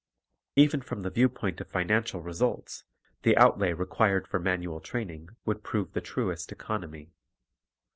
Even from the view point of financial results, the outlay required for manual training would prove the truest economy.